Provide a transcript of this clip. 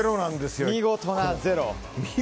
見事なゼロ。